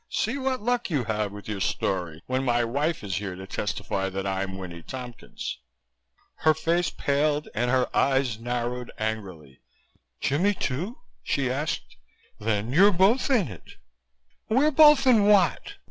See what luck you have with your story, when my wife is here to testify that I'm Winnie Tompkins." Her face paled and her eyes narrowed angrily. "Jimmie too?" she asked. "Then you're both in it!" "We're both in what?"